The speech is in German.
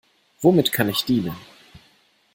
Womit kann ich dienen?